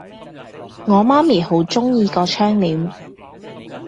我媽咪好鍾意個窗簾